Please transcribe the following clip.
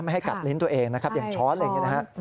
ไม่ให้กัดลิ้นตัวเองนะครับอย่างช้อน